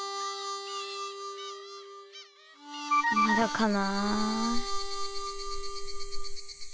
まだかな。